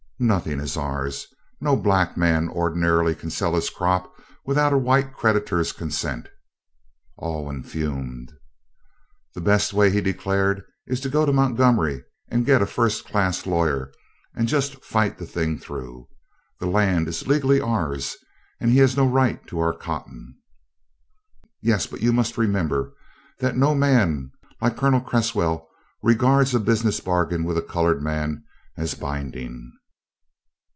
"Nothing is ours. No black man ordinarily can sell his crop without a white creditor's consent." Alwyn fumed. "The best way," he declared, "is to go to Montgomery and get a first class lawyer and just fight the thing through. The land is legally ours, and he has no right to our cotton." "Yes, but you must remember that no man like Colonel Cresswell regards a business bargain with a colored man as binding.